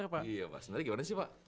iya pak sebenarnya gimana sih pak